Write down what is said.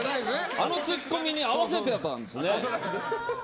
あのツッコミに合わせてたんです。